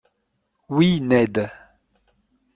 —Oui, Ned.